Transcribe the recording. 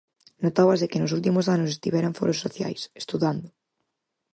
Notábase que nos últimos anos estivera en foros sociais, estudando...